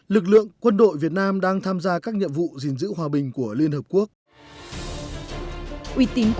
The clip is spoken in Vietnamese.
lực lượng quân đội việt nam đang tham gia các nhận thức